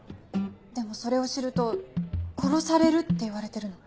でもそれを知ると殺されるっていわれてるの。